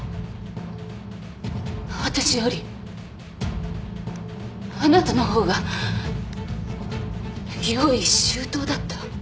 私よりあなたの方が用意周到だった。